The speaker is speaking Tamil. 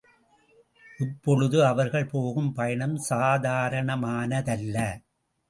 இப்பொழுது அவர்கள் போகும் பயணம் சாதாரணமானதல்ல.